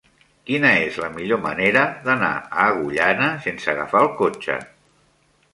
Quina és la millor manera d'anar a Agullana sense agafar el cotxe?